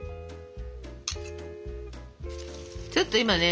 ちょっと今ね